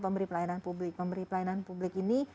pemberi pelayanan publik pemberi pelayanan publik ini